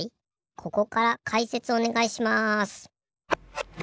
ここからかいせつおねがいします。